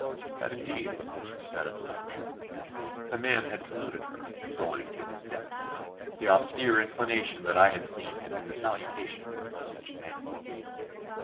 That, indeed, was what she said of Halderschrodt.... The man had saluted her, going to his death; the austere inclination that I had seen had been the salutation of such a man.